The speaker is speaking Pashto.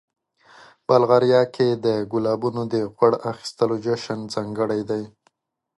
بلغاریا کې د ګلابونو د غوړ اخیستلو جشن ځانګړی دی.